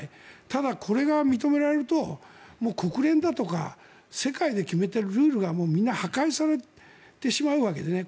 ただ、これが認められると国連だとか世界で決めているルールがみんな破壊されてしまうわけですね。